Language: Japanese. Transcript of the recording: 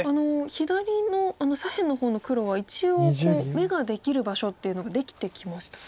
左の左辺の方の黒は一応眼ができる場所っていうのができてきましたか。